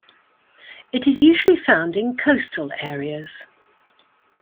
It is usually found in coastal areas.